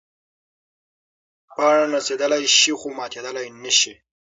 پاڼه نڅېدلی شي خو ماتېدلی نه شي.